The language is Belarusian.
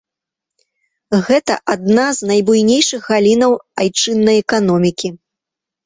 Гэта адна з найбуйнейшых галінаў айчыннай эканомікі.